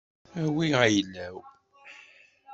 Awi ayla-w.